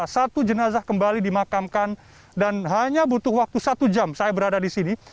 satu jenazah kembali dimakamkan dan hanya butuh waktu satu jam saya berada di sini